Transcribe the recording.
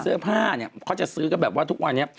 เสื้อผ้าเนี่ยเขาจะซื้อกันแบบว่าทุกวันนี้